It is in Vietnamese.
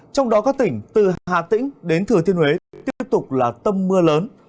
trong đó các tỉnh từ hà tĩnh đến thừa thiên huế tiếp tục là tâm mưa lớn